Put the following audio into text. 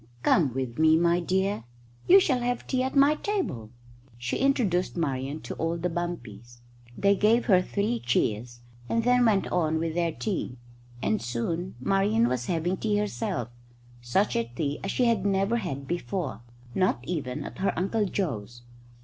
"Come with me, my dear. You shall have tea at my table." She introduced Marian to all the bumpies. They gave her three cheers, and then went on with their tea, and soon Marian was having tea herself such a tea as she had never had before, not even at her Uncle Joe's.